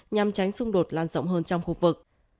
nhằm tránh xung đột lan rộng hơn trong khu vực